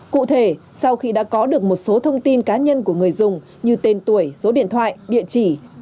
cụ thể sau khi đã có được một số thông tin cá nhân của người dùng như tên tuổi số điện thoại địa chỉ